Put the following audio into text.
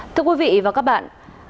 thưa quý vị và các bạn